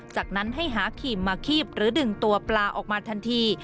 จากนั้นให้หาครีมมาคีบหรือดึงตัวปลาออกมาทันที